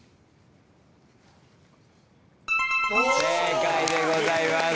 正解でございます。